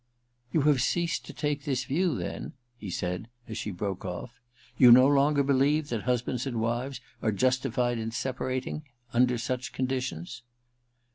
* You have ceased to take this view, then ?' he said as she broke ofF. *You no longer believe that husbands and wives are justified in separating — under such conditions